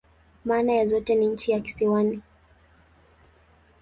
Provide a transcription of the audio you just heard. Maana ya zote ni "nchi ya kisiwani.